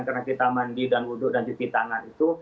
karena kita mandi dan duduk dan cuci tangan itu